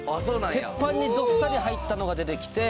鉄板にどっさり入ったのが出てきて。